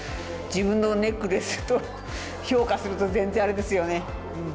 自分のネックレスと評価すると、全然あれですよね。